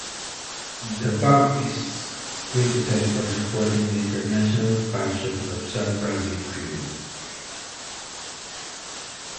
The bank is criticised for supporting the international expansion of some private firms.